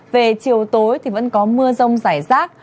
về chiều tối vẫn có mưa rông giải rác